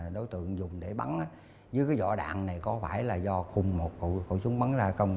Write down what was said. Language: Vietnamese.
đối tượng dùng để bắn dưới cái vỏ đạn này có phải là do cùng một khẩu súng bắn ra công